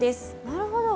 なるほど。